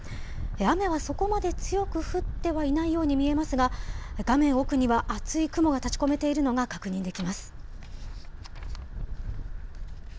雨はそこまで強く降ってはいないように見えますが、画面奥には厚い雲が立ち込めているのが確認できます。